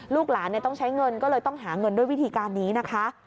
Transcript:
ลูกหลานต้องใช้เงินก็เลยต้องหาเงินด้วยวิธีการนี้นะคะ